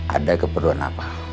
ada keperluan apa